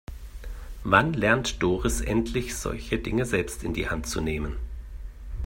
Wann lernt Doris endlich, solche Dinge selbst in die Hand zu nehmen?